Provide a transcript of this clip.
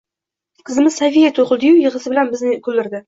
Qizimiz Sofiya tugʻildiyu yigʻisi bilan bizni kuldirdi...